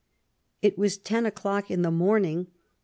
It was ten o'clock in the morning.